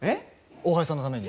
大橋さんのために。